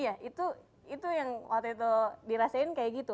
iya itu yang waktu itu dirasain kayak gitu